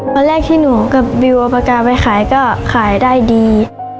วันแรกที่หนูกับบิวอปการณ์ไปขายก็ขายได้ดี